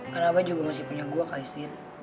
karena abah juga masih punya gue kali sih